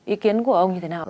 ý kiến của ông như thế nào